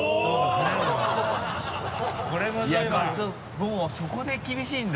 もうそこで厳しいんだ。